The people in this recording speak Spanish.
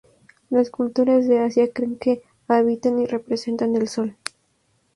Las culturas de Asia creen que habitan y representan el sol.